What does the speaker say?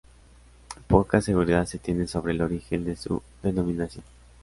Poca seguridad se tiene sobre el origen de su denominación.